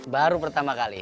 baru pertama kali